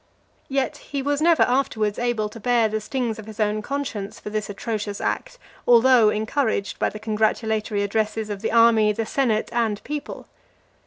Yet he was never afterwards able to bear the stings of his own conscience for this atrocious act, although encouraged by the congratulatory addresses of the army, the senate, and people.